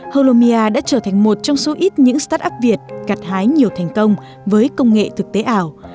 holomia đã trở thành một trong số ít những start up việt gặt hái nhiều thành công với công nghệ thực tế ảo